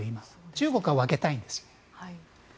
中国は分けたいんです。